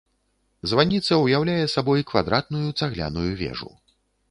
Званіца ўяўляе сабой квадратную цагляную вежу.